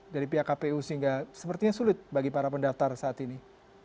dari pihak kpu sehingga sepertinya sulit bagi para pendaftar saat ini